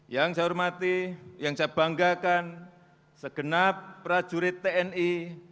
yang saya banggakan segenap prajurit tni